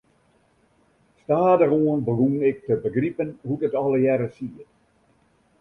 Stadichoan begûn ik te begripen hoe't it allegearre siet.